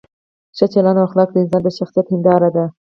ښه چلند او اخلاق د انسان د شخصیت هنداره ده.